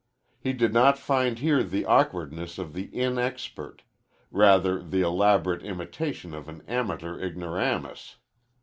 He did not find here the awkwardness of the inexpert; rather the elaborate imitation of an amateur ignoramus.